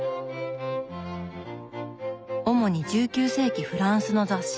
主に１９世紀フランスの雑誌